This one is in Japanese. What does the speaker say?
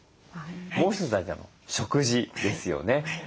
もう一つ大事なのは食事ですよね。